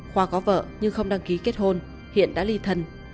khoa có vợ nhưng không đăng ký kết hôn hiện đã ly thân